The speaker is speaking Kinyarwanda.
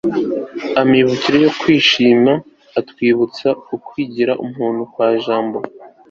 amibukiro yo kwishima atwibutsa ukwigira umuntu kwa jambo